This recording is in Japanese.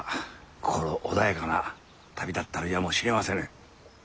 心穏やかな旅だったのやもしれませぬ。